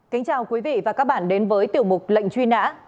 kính chào quý vị và các bạn đến với tiểu mục lệnh truy nã